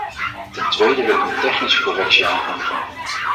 Ten tweede wil ik een technische correctie aankondigen.